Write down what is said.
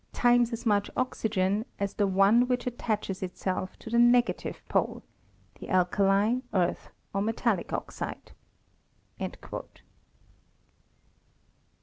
times as much tnygien, as the one which attaches itself to the negative pole (the alkali, earth, or metallic oxide)."